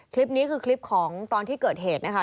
คลิปนี้คือคลิปของตอนที่เกิดเหตุนะคะ